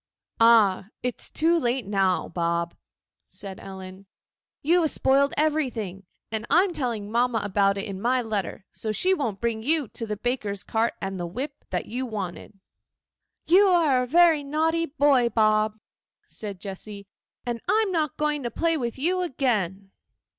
'Ah! it is too late now, Bob,' said Ellen; 'you have spoiled everything; and I am telling mamma all about it in my letter, so she won't bring you the baker's cart and the whip that you wanted.' You are a very naughty boy, Bob,' said Jessy, 'and I am not going to play with you again.